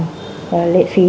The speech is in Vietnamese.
lệ phí thì rẻ